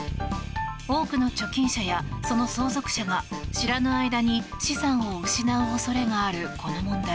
多くの貯金者やその相続者が知らぬ間に資産を失う恐れがあるこの問題。